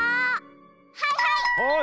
はいはい！